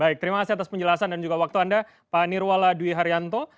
baik terima kasih atas penjelasan dan juga waktu anda pak nirwala dwi haryanto